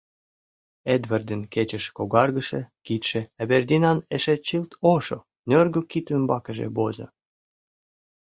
Эдвардын кечеш когаргыше кидше Эвердинан эше чылт ошо, нӧргӧ кид ӱмбакыже возо.